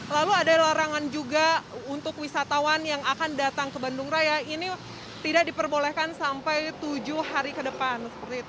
lalu ada larangan juga untuk wisatawan yang akan datang ke bandung raya ini tidak diperbolehkan sampai tujuh hari ke depan